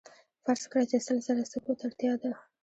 فرض کړئ چې سل زره سکو ته اړتیا ده